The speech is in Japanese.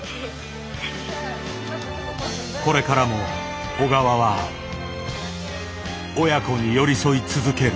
これからも小川は親子に寄り添い続ける。